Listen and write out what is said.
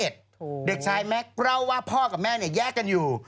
เด็กชายแม็กซ์เล่าว่าพ่อกับแม่แยกกันอยู่